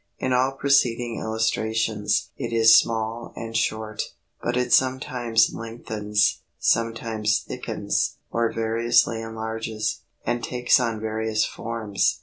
In all preceding illustrations it is small and short. But it sometimes lengthens, sometimes thickens or variously enlarges, and takes on various forms.